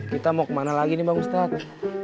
kita mau kemana lagi nih bang ustadz